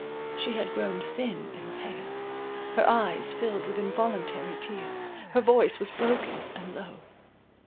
She had grown thin and pale, her eyes filled with involuntary tears, her voice was broken and low.